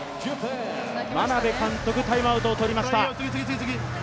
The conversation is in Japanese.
眞鍋監督タイムアウトを取りました。